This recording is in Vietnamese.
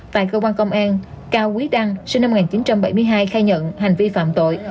tại cơ quan công an cao quý đăng sinh năm một nghìn chín trăm bảy mươi hai khai nhận hành vi phạm tội